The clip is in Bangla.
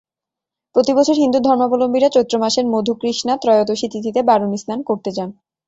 প্রতিবছর হিন্দু ধর্মাবলম্বীরা চৈত্র মাসের মধুকৃষ্ণা ত্রয়োদশী তিথিতে বারুণী স্নান করতে যান।